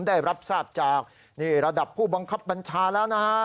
ได้รับทราบจากนี่ระดับผู้บังคับบัญชาแล้วนะฮะ